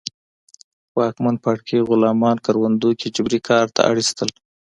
واکمن پاړکي غلامان کروندو کې جبري کار ته اړ اېستل